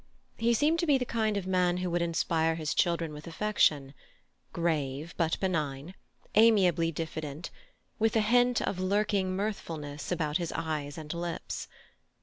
He seemed to be the kind of man who would inspire his children with affection: grave but benign, amiably diffident, with a hint of lurking mirthfulness about his eyes and lips.